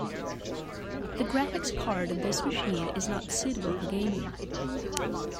The graphics card on this machine is not suitable for gaming.